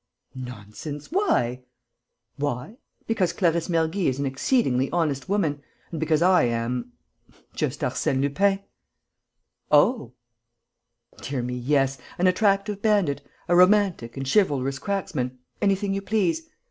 "Nonsense! Why?" "Why? Because Clarisse Mergy is an exceedingly honest woman and because I am ... just Arsène Lupin." "Oh!" "Dear me, yes, an attractive bandit, a romantic and chivalrous cracksman, anything you please.